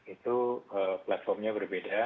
itu platformnya berbeda